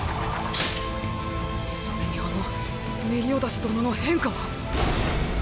それにあのメリオダス殿の変化は？